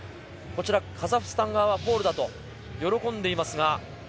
カザフスタン側はフォールだと喜んでいます。